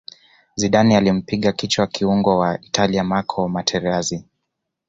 zidane alimpiga kichwa kiungo wa italia marco materazi